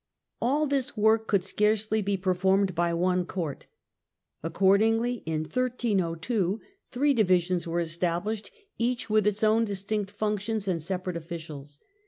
All this work could scarcely be performed by one court. Accordingly in 1302 three divisions were estabHshed, each with its own distinct functions and separate officials.